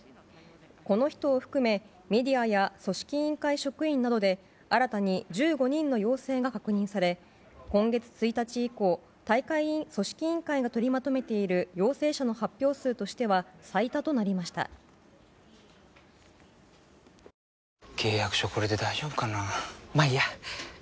この人を含めメディアや組織委員会職員などで新たに１５人の陽性が確認され今月１日以降組織委員会がとりまとめている続いても新型コロナウイルス関連のニュースです。